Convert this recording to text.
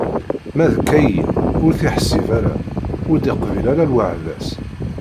Ma d Kayin, ur t-iḥsib ara, ur d-iqbil ara lweɛda-s.